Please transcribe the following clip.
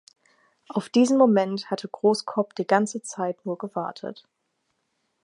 Auf diesen Moment hatte Großkopp die ganze Zeit nur gewartet.